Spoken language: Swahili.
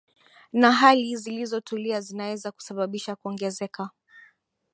na hali zilizotulia zinaweza kusababisha kuongezeka